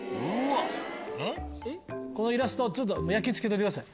このイラストを焼き付けといてください。